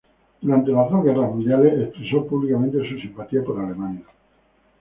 Durante las dos guerras mundiales, expresó públicamente su simpatía por Alemania.